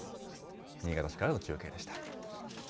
新潟市からの中継でした。